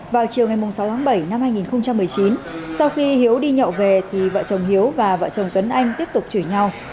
vào chiều ngày sáu tháng bảy năm hai nghìn một mươi chín sau khi hiếu đi nhậu về thì vợ chồng hiếu và vợ chồng tuấn anh tiếp tục chửi nhau